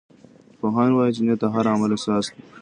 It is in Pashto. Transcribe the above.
پوهان وایي چې نیت د هر عمل اساس دی.